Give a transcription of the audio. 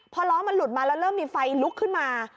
พอล้อมันหลุดมาแล้วเริ่มมีไฟลุกขึ้นมา